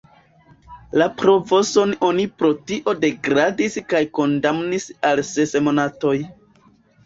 La provoson oni pro tio degradis kaj kondamnis al ses monatoj.